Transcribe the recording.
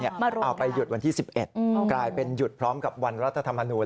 เอาไปหยุดวันที่๑๑กลายเป็นหยุดพร้อมกับวันรัฐธรรมนูล